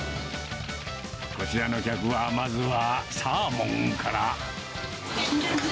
こちらの客は、まずはサーモンから。